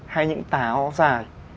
hay những táo dài